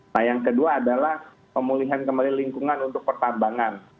nah yang kedua adalah pemulihan kembali lingkungan untuk pertambangan